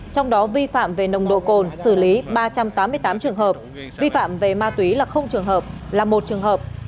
trong đó vi phạm về nồng độ cồn xử lý ba trăm tám mươi tám trường hợp vi phạm về ma túy là trường hợp là một trường hợp